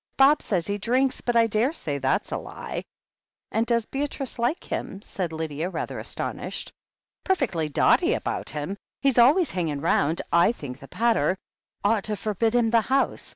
Bob says he drinks, but I daresay that's a lie." "And does Beatrice like him?" said Lydia, rather astonished. "Perfectly dotty about him. He's always hangmg round — I think the pater ought to forbid him the house.